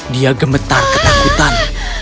dia gemetar ketakutan